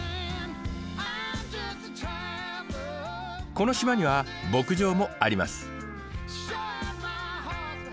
この島には牧場もあります。